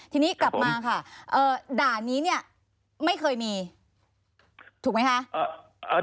ทีนี้กลับมาค่ะด่านนี้เนี่ยไม่เคยมีถูกไหมคะ